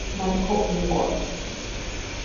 Marco un gol.